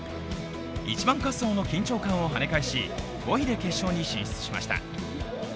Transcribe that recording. １番滑走の緊張感を跳ね返し、５位で決勝に進出しました。